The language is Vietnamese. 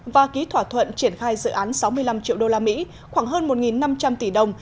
và ký thỏa thuận triển khai dự án sáu mươi năm triệu usd khoảng hơn một năm trăm linh tỷ đồng